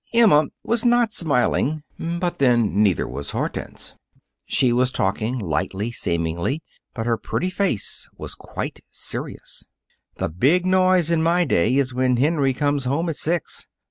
Emma was not smiling. But, then, neither was Hortense. She was talking lightly, seemingly, but her pretty face was quite serious. "The big noise in my day is when Henry comes home at six.